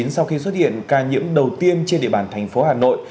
sau khi xuất hiện ca nhiễm đầu tiên trên địa bàn thành phố hà nội